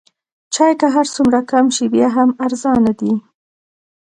چای که هر څومره کم شي بیا هم ارزانه دی.